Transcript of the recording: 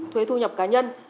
thuế thu nhập cá nhân